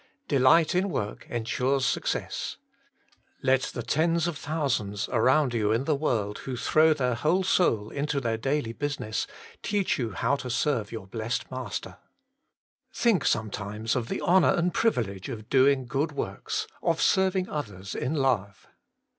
Delight in work ensures success. Let the tens of thousands around you in the world who throw their whole soul into their daily business, teach you how to serve your blessed Master. Think sometimes of the honour and privilege of doing good works, of serving others in love.